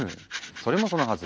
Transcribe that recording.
それもそのはず